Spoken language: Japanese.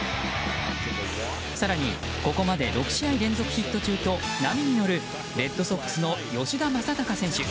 更に、ここまで６試合連続ヒット中と波に乗るレッドソックスの吉田正尚選手。